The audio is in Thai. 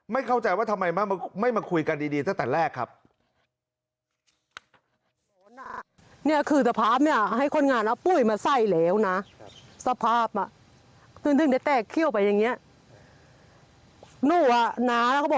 เข้าใจว่าทำไมไม่มาคุยกันดีตั้งแต่แรกครับ